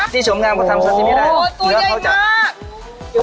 ที่ชมงามเขาทำซาซิมี่ได้